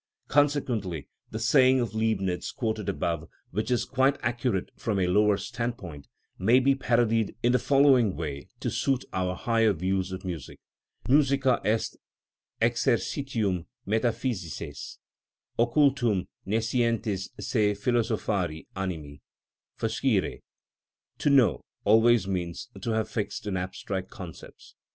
Consequently the saying of Leibnitz quoted above, which is quite accurate from a lower standpoint, may be parodied in the following way to suit our higher view of music: Musica est exercitium metaphysices occultum nescientis se philosophari animi; for scire, to know, always means to have fixed in abstract concepts.